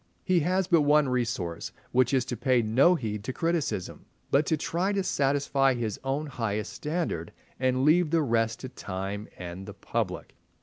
He has but one resource, which is to pay no heed to criticism, but to try to satisfy his own highest standard and leave the rest to time and the public.